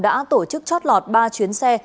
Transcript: đã tổ chức chót lọt ba chuyến xe